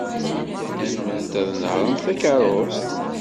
Zemrent ad nehṛent takeṛṛust?